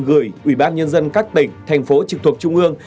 gửi ủy ban nhân dân các tỉnh thành phố trực thuộc trung ương